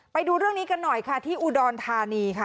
ไปดูเรื่องนี้กันหน่อยค่ะที่อุดรธานีค่ะ